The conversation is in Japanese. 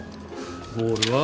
ボールは。